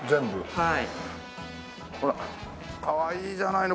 はい。